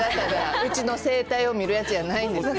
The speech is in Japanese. うちの生態を見るやつじゃないんですよ。